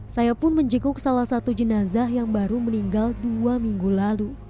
saya pun menjenguk salah satu jenazah yang baru meninggal dua minggu lalu